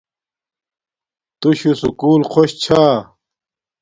تُوشو سکُول خوش چھا